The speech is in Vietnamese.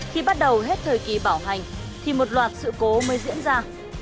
khi bắt đầu hết thời kỳ bảo hành thì một loạt sự cố mới diễn ra